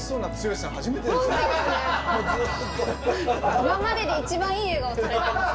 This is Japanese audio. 今までで一番いい笑顔されてます。